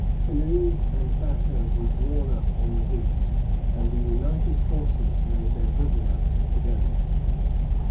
Canoes and bateaux were drawn up on the beach, and the united forces made their bivouac together.